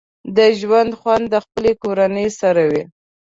د ژوند خوند د خپلې کورنۍ سره وي